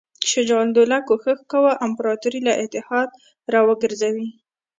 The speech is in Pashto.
شجاع الدوله کوښښ کاوه امپراطور له اتحاد را وګرځوي.